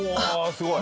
すごい。